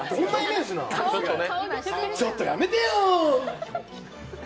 ちょっとやめてよ。